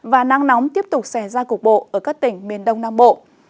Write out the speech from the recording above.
và nắng nóng tiếp tục xảy ra cục bộ ở các tỉnh miền đông nam bộ